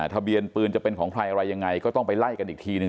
ทะเบียนปืนจะเป็นของใครอะไรยังไงก็ต้องไปไล่กันอีกทีหนึ่ง